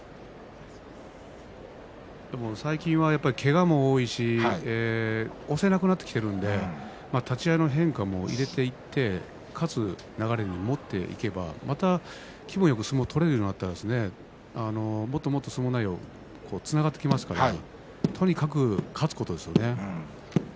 最近は、けがも多いし押せなくなってるので立ち合いの変化も入れていって勝つ流れに持っていけばまた気分よく相撲が取れるようになったら、もっともっと相撲内容につながってきますからとにかく勝つことですよね。